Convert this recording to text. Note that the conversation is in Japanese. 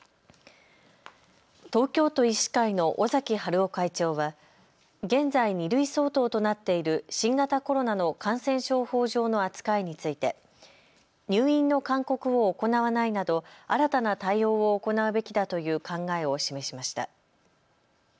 東京都医師会の尾崎治夫会長は現在、二類相当となっている新型コロナの感染症法上の扱いについて入院の勧告を行わないなど新たな対応を行うべきだという考えを示しました。